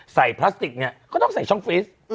พลาสติกเนี่ยก็ต้องใส่ช่องฟิศ